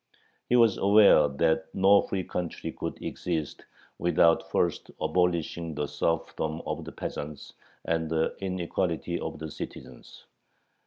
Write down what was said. He was aware that no free country could exist without first abolishing the serfdom of the peasants and the inequality of the citizens.